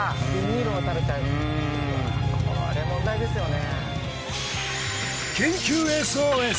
これ問題ですよね。